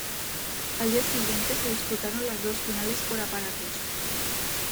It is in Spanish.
Al día siguiente se disputaron las dos finales por aparatos.